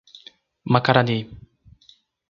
Macarani